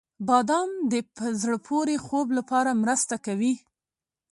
• بادام د په زړه پورې خوب لپاره مرسته کوي.